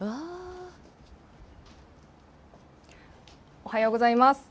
おはようございます。